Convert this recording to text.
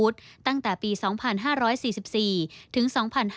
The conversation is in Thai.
ตั้งแต่ปี๒๕๔๔ถึง๒๕๕๙